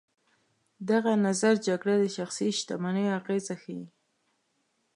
دغه نظر جګړه د شخصي شتمنیو اغېزه ښيي.